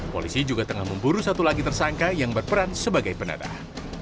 polisi juga tengah memburu satu lagi tersangka yang berperan sebagai penadah